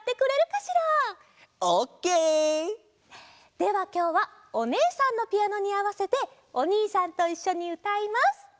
ではきょうはおねえさんのピアノにあわせておにいさんといっしょにうたいます！